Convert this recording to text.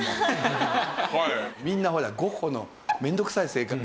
みんなほらゴッホの面倒臭い性格